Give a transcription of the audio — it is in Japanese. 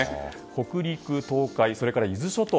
北陸・東海それから伊豆諸島